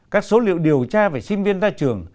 các số liệu điều tra về sinh viên ra trường